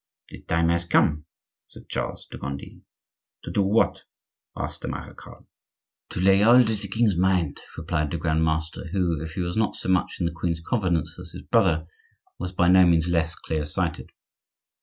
"The time has come," said Charles de Gondi. "To do what?" asked the marechal. "To lay hold of the king's mind," replied the Grand master, who, if he was not so much in the queen's confidence as his brother, was by no means less clear sighted.